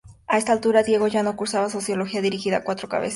A esta altura Diego ya no cursaba sociología, dirigía Cuatro Cabezas.